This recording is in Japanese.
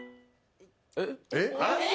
えっ。